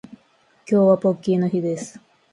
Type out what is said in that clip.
今日はポッキーの日です